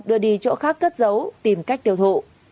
đưa đi chỗ khác cất giấu tìm cách tiêu thụ